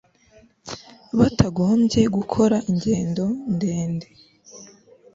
batagombye gukora ingendo ndende